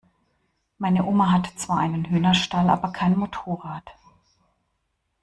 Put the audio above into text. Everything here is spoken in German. Meine Oma hat zwar einen Hühnerstall, aber kein Motorrad.